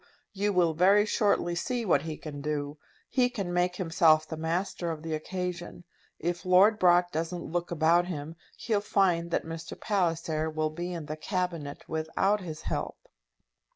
You will very shortly see what he can do. He can make himself the master of the occasion. If Lord Brock doesn't look about him, he'll find that Mr. Palliser will be in the Cabinet without his help."